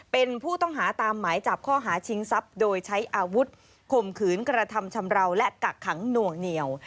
เป็นผู้ต้องหาตามหมายจับข้อหาชิงทรัพย์โดยใช้อาวุธข่มขืนกระทำชำราวและกักขังหน่วงเหนียว